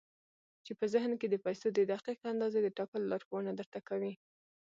چې په ذهن کې د پيسو د دقيقې اندازې د ټاکلو لارښوونه درته کوي.